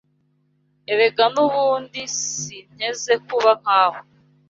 Erega nubundi sinteze kuba nkawe